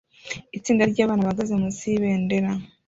Itsinda ryabana bahagaze munsi yibendera